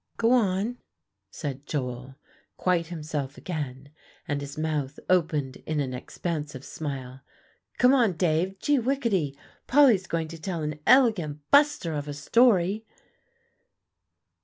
"Go on," said Joel quite himself again, and his mouth opened in an expansive smile. "Come on, Dave. Gee whickety! Polly's going to tell an elegant buster of a story."